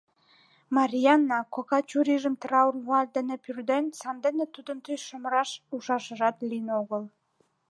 Марйаана кока чурийжым траур вуаль дене пӱрден, сандене тудын тӱсшым раш ужашыжат лийын огыл.